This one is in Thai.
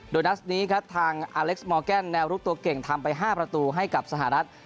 โดยนัสนี้ครับทางอเล็กซ์มอร์แกนแนวรุกตัวเก่งทำไป๕ประตูให้กับสหรัฐ